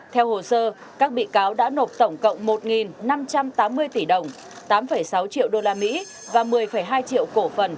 theo hồ sơ các bị cáo đã nộp tổng cộng một năm trăm tám mươi tỷ đồng và một mươi hai triệu cổ phần